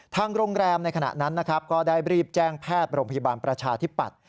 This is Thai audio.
ทางโรงแรมในขณะนั้นนะครับก็ได้รีบแจ้งแพทย์โรงพยาบาลประชาธิปัตย์